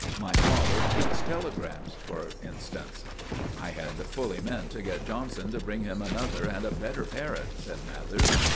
My father hates telegrams, for instance." "I had fully meant to get Johnson to bring him another and a better parrot," said Mathers.